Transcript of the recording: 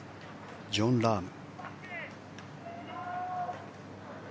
ジョン・ラーム。